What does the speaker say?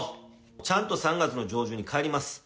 ちゃんと３月の上旬に帰ります。